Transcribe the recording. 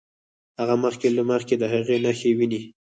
هغه مخکې له مخکې د هغې نښې ويني.